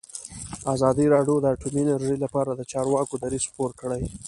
ازادي راډیو د اټومي انرژي لپاره د چارواکو دریځ خپور کړی.